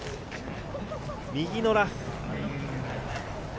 右のラフ。